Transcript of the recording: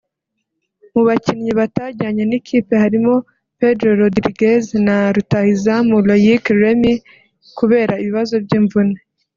Mu bakinnyi batajyanye n’ikipe harimo Pedro Rodriguez na rutahizamu Loic Remy kubera ibibazo by’imvune